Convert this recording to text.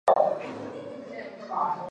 皱波球根鸦葱为菊科鸦葱属的植物。